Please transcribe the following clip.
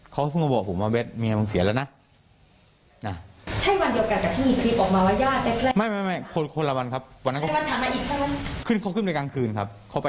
เขาก็เพิ่งมาบอกผมว่าเบ็ดมีอะไรมึงเสียแล้วนะ